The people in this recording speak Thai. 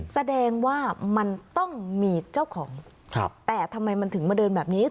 แสดงว่ามันต้องมีเจ้าของแต่ทำไมมันถึงมาเดินแบบนี้